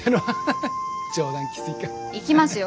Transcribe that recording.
行きますよ